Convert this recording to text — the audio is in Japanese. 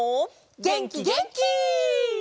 げんきげんき！